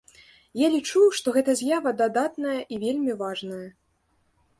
Я лічу, што гэта з'ява дадатная і вельмі важная.